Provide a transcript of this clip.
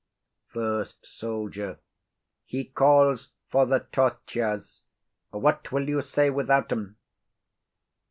_ FIRST SOLDIER. He calls for the tortures. What will you say without 'em?